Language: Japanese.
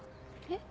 えっ？